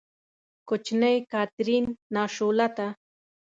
کوچنۍ کاترین، ناشولته!